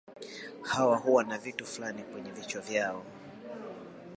Hawa huwa na vitu fulani kwenye vichwa vyao